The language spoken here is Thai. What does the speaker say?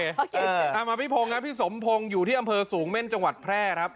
เอามาพี่พงศ์นะพี่สมพงศ์อยู่ที่อำเภอสูงเม่นจังหวัดแพร่ครับ